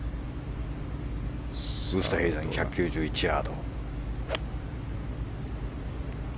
ウーストヘイゼン１９１ヤード。